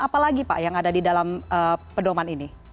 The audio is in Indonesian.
apa lagi pak yang ada di dalam pedoman